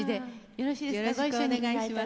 よろしくお願いします。